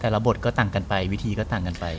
บทก็ต่างกันไปวิธีก็ต่างกันไป